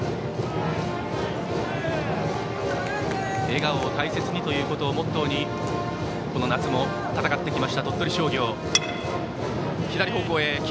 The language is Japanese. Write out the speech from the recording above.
笑顔を大切にということをモットーにこの夏も戦ってきました鳥取商業。